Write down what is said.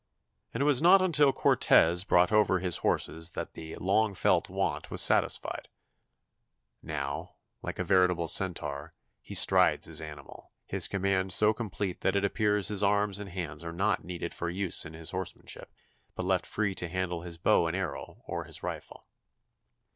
And it was not until Cortez brought over his horses that the "long felt want" was satisfied. Now, like a veritable Centaur, he strides his animal, his command so complete that it appears his arms and hands are not needed for use in his horsemanship, but left free to handle his bow and arrow or his rifle.